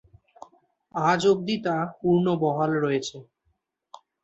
আজ অবধি তা পূর্ণ বহাল রয়েছে।